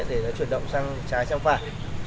để nó chuyển động sang trái sang phải